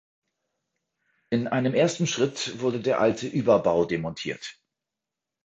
In einem ersten Schritt wurde der alte Überbau demontiert.